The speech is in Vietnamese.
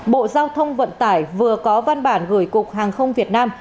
bộ giao thông vận tải vừa có văn bản gửi cục hàng không việt nam